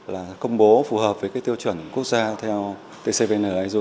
là công bố phù hợp với tiêu chuẩn quốc gia theo tcvn iso chín trăm hai mươi năm